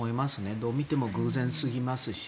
どう見ても偶然すぎますし